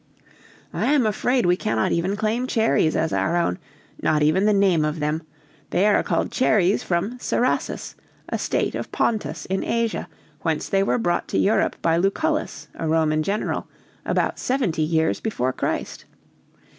"I am afraid we cannot even claim cherries as our own, not even the name of them; they are called cherries from Cerasus, a state of Pontus, in Asia, whence they were brought to Europe by Lucullus, a Roman general, about seventy years before Christ.